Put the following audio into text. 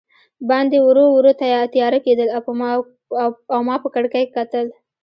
باندې ورو ورو تیاره کېدل او ما په کړکۍ کې کتل.